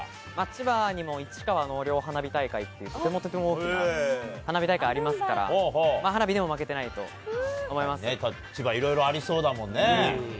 千葉にも市川納涼花火大会という、とてもとても大きな花火大会ありますから、花火でも負けて千葉、いろいろありそうだもんね。